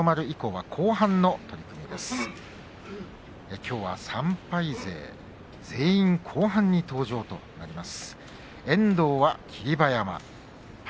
きょうは３敗勢全員、後半の登場となります。